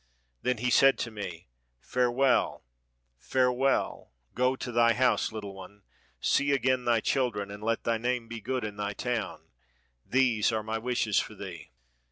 Then he said to me, 'Farewell, fare well, go to thy house, little one, see again thy children, and let thy name be good in thy town; these are my wishes for thee.'